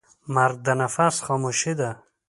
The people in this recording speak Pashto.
مرګ د نفس خاموشي ده.